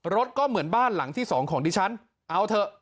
รถก็เหมือนบ้านหลังที่สองของดิฉันเอาเถอะ